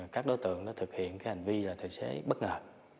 các đối tượng nó thực hiện cái hành vi là tài xế bất ngờ